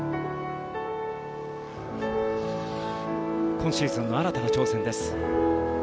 今シーズンの新たな挑戦です。